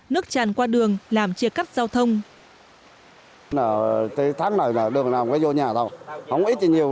nước chàn qua đường làm chia cắt giao thông